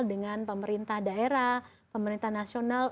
dengan pemerintah daerah pemerintah nasional